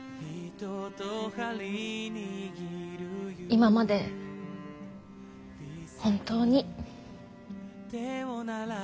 今まで本当に。